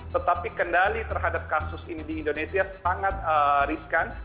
tetapi kendali terhadap kasus ini di indonesia sangat riskan